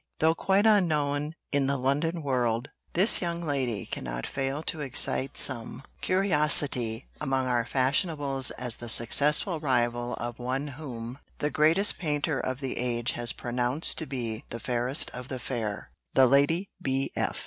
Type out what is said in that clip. "Though quite unknown in the London world, this young lady cannot fail to excite some curiosity among our fashionables as the successful rival of one whom the greatest painter of the age has pronounced to be the fairest of the fair the Lady B. F.